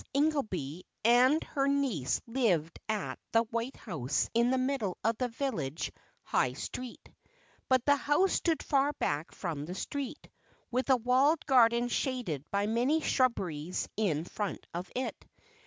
INGELBY and her niece lived at The White House in the middle of the village High Street; but the house stood far back from the street, with a walled garden shaded by many shrubberies in front of it.